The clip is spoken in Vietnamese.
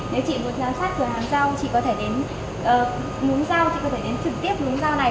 nếu chị muốn giám sát từ hàng rau chị có thể đến trực tiếp lúng rau này